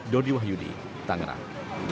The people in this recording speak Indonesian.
dodi wahyudi tangerang